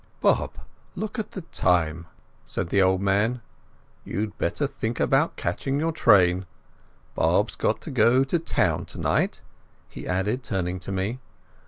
"Whew! Bob! Look at the time," said the old man. "You'd better think about catching your train. Bob's got to go to town tonight," he added, turning to me.